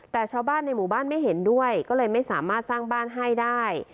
แต่ชาวบ้านในหมู่บ้านไม่เห็นด้วยก็เลยไม่สามารถสร้างบ้านให้ได้